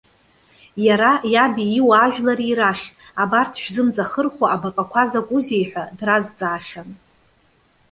Иара, иаби иуаажәлари рахь:- Абарҭ шәзымҵахырхәо абаҟақәа закәызеи?- ҳәа дразҵаахьан.